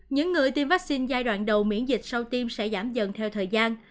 những người tiêm vaccine giai đoạn đầu miễn dịch sau tiêm sẽ giảm dần theo thời gian